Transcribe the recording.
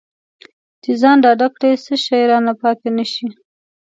چې ځان ډاډه کړي څه شی رانه پاتې نه شي.